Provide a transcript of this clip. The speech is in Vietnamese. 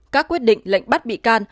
các quyết định lệnh bắt bị can